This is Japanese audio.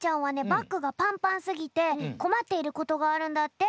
バッグがパンパンすぎてこまっていることがあるんだって。